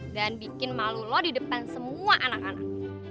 dan bikin malu lo di depan semua anak anak